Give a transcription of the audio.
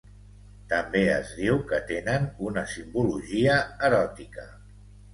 També es diu que tenen una simbologia eròtica.